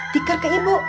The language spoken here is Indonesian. ticker ke ibu